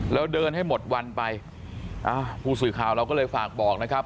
แล้วเดินให้หมดวันไปอ่าผู้สื่อข่าวเราก็เลยฝากบอกนะครับ